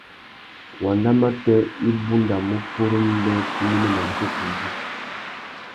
Wandamatê i bundamú purú mbê tu néménamú têtuzú.